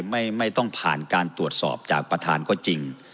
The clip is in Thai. ไม่ต้องผ่านการตรวจสอบจากประธานก็จริง